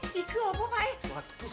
pak eh ikut apa pak eh